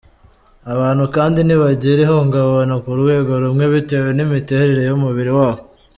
Abantu kandi ntibagira ihungabana ku rwego rumwe bitewe n’ imiterere y’umubiri wabo.